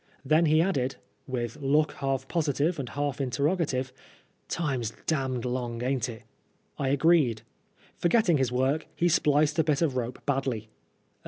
Then he added, with look half positive and half interrogative, " Time's damned long, ain't it ?" I agreed. Forgetting his work, he spliced a bit of rope badly.